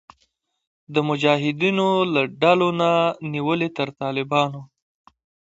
د مجاهدینو د ډلو نه نیولې تر طالبانو